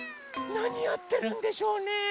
なにやってるんでしょうね？